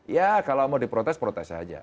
ya kalau mau diprotes protes saja